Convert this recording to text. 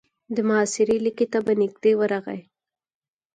د محاصرې ليکې ته به نږدې ورغی.